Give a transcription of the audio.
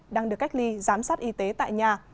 đang được cách ly giám sát y tế tại nhà